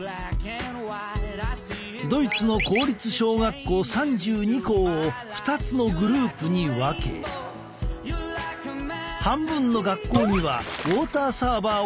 ドイツの公立小学校３２校を２つのグループに分け半分の学校にはウォーターサーバーを設置。